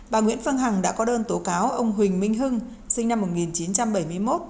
bà nguyễn phương hằng đã có đơn tố cáo ông huỳnh minh hưng sinh năm một nghìn chín trăm bảy mươi một